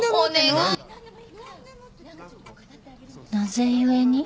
なぜ故に？